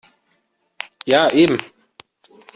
Ja, eben.